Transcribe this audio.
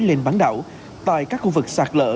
lên bán đảo tại các khu vực sạc lỡ